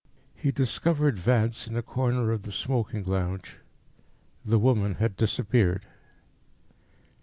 He discovered Vance in a corner of the smoking lounge. The woman had disappeared.